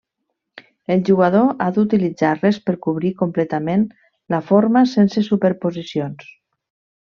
El jugador ha d'utilitzar-les per cobrir completament la forma sense superposicions.